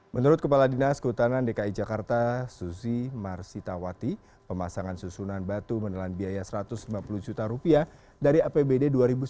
menurut kepala dinas kehutanan dki jakarta suzy marsitawati pemasangan susunan batu menelan biaya satu ratus lima puluh juta rupiah dari apbd dua ribu sembilan belas